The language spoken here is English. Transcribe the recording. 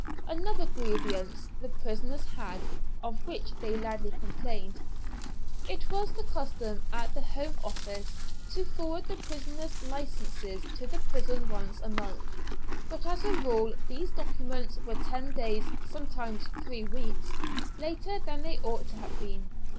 Another grievance the prisoners had, of which they loudly complained. It was the custom at the Home Office to forward the prisoners' licenses to the prison once a month, but as a rule these documents were ten days sometimes three weeks later than they ought to have been.